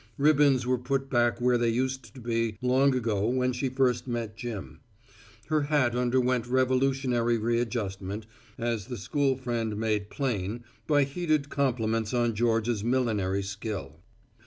Ribbons were put back where they used to be long ago when she first met Jim. Her hat underwent revolutionary readjustment, as the school friend made plain by heated compliments on Georgia's millinery skill.